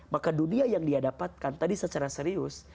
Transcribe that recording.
maka dunia yang dia dapatkan tadi secara serius